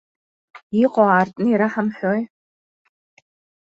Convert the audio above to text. Иҟоу аартны ираҳамҳәои!